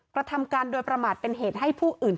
กระทำการโดยประมาทเป็นเหตุให้ผู้อื่น